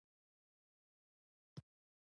دا ټول شیان د خدای په اراده پورې اړه لري.